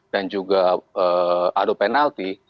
dan juga ada penalti